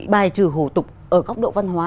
bài trừ hồ tục ở góc độ văn hóa